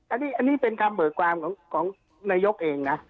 อันนี้เป็นคำเบิกความของนายกเองนะ